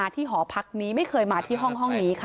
ที่หอพักนี้ไม่เคยมาที่ห้องนี้ค่ะ